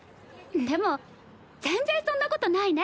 でも全然そんな事ないね！